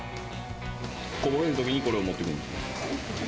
こぼれるときにこれを持ってくる。